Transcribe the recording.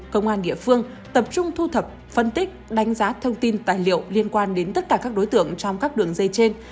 công an địa phương tập trung thu thập phân tích đánh giá thông tin tài liệu liên quan đến tất cả các đối tượng trong các đường dây trên